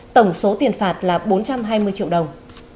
tổng số tiền phạt là bốn trăm hai mươi triệu đồng